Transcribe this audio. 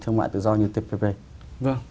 thương mại tự do như tpp vâng